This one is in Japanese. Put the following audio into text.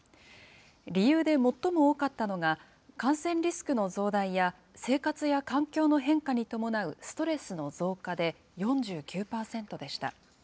理由で最も多かったのが、感染リスクの増大や、生活や環境の変化に伴うストレスの増加で、４９％でした。